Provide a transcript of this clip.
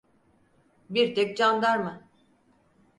Bir tek candarma…